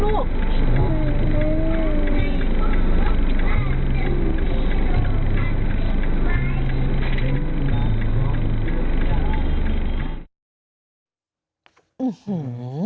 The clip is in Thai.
ซื้อสินต่อถ้านี้ถึงไหน